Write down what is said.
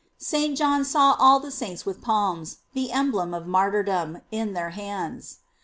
St. John saw all the saints with palms, the emblem of martyrdom, in their hands.